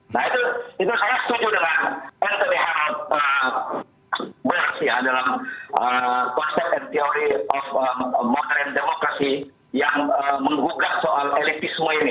nah itu saya setuju dengan rtb haram berhasil dalam konsep and theory of modern demokrasi yang menggugah soal elitisme ini